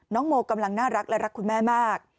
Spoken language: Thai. โมกำลังน่ารักและรักคุณแม่มาก